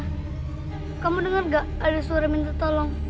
kamu dengar gak ada suara minta tolong